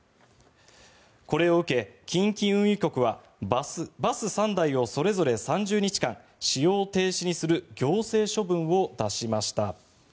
これを受け、近畿運輸局はバス３台をそれぞれ３０日間使用停止にする行政処分を出しました。